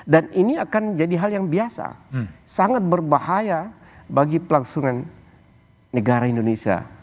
dan ini akan jadi hal yang biasa sangat berbahaya bagi pelaksanaan negara indonesia